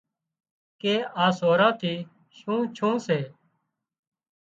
ڪي آ سوران ٿي شُون ڇُون سي